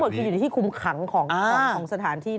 สมมุติคืออยู่ในที่คุมขังของสถานที่นั่น